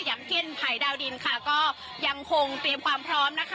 อย่างเช่นภัยดาวดินค่ะก็ยังคงเตรียมความพร้อมนะคะ